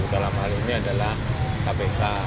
dalam hal ini adalah kpk